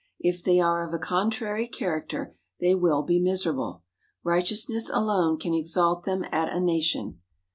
If they are of a contrary character, they will be miserable. Righteoutness alone can exalt them at a Nation.